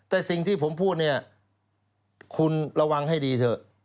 แต่สิ่งที่ผมพูดเนี่ยคุณระวังให้ดีเถอะ